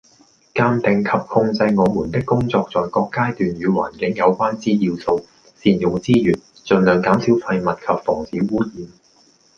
鑑定及控制我們的工作在各階段與環境有關之要素，善用資源，盡量減少廢物及防止污染